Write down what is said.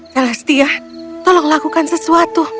celestia tolong lakukan sesuatu